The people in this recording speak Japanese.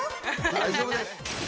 大丈夫です！